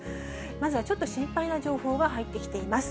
まずはちょっと心配な情報が入ってきています。